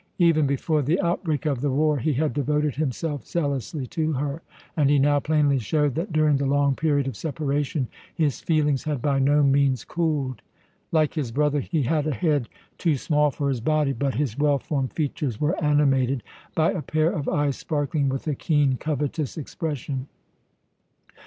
Even before the outbreak of the war he had devoted himself zealously to her, and he now plainly showed that during the long period of separation his feelings had by no means cooled. Like his brother, he had a head too small for his body, but his well formed features were animated by a pair of eyes sparkling with a keen, covetous expression.